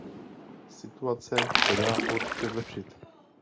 Situace se dá určitě zlepšit!